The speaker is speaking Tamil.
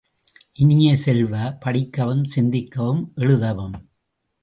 இனிய செல்வ, படிக்கவும் சிந்திக்கவும் எழுதவும்!